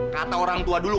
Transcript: kata orang tua dulu